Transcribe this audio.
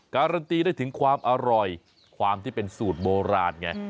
การันตีได้ถึงความอร่อยความที่เป็นสูตรโบราณไง